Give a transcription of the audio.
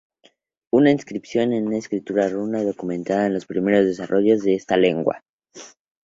Una inscripción en escritura runa documenta los primeros desarrollos de esta lengua.